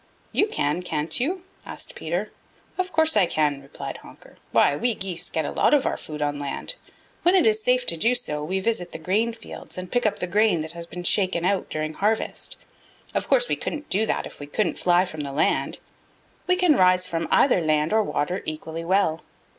"You can, can't you?" asked Peter. "Of course I can," replied Honker. "Why, we Geese get a lot of our food on land. When it is safe to do so we visit the grain fields and pick up the grain that has been shaken out during harvest. Of course we couldn't do that if we couldn't fly from the land. We can rise from either land or water equally well.